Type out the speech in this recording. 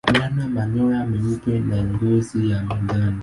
Wana manyoya meupe na ngozi ya manjano.